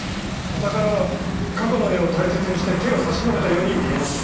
はたからは過去の縁を大切にして手を差し伸べたように見えます。